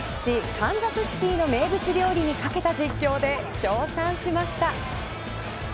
カンザスシティーの名物料理にかけた実況で称賛しました。